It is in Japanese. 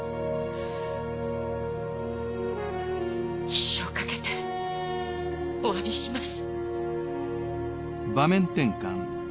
一生かけてお詫びします。